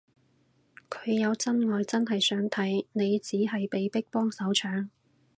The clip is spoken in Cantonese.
佢有真愛真係想睇，你只係被逼幫手搶